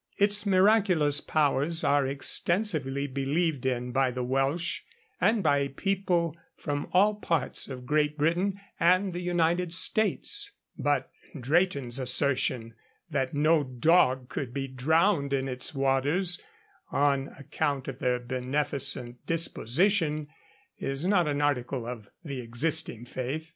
Its miraculous powers are extensively believed in by the Welsh, and by people from all parts of Great Britain and the United States; but Drayton's assertion that no dog could be drowned in its waters, on account of their beneficent disposition, is not an article of the existing faith.